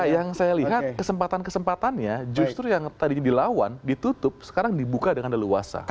yang saya lihat kesempatan kesempatannya justru yang tadinya dilawan ditutup sekarang dibuka dengan leluasa